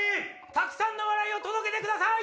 たくさんの笑いを届けてください。